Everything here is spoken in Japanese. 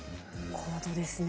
高度ですね。